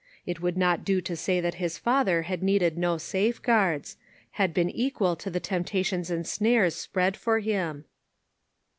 It would not do to say that his father had needed no safeguards — had been equal to the temptations and snares spread for him.